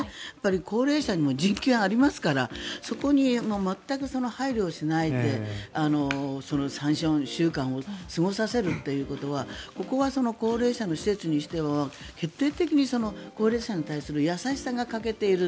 高齢者にも人権がありますからそこに全く配慮をしないで３４週間過ごさせるということはここは高齢者の施設にしては決定的に高齢者に対する優しさに欠けている。